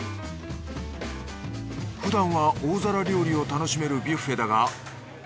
ふだんは大皿料理を楽しめるビュッフェだが。